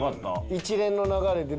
一連の流れで。